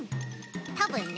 たぶんね。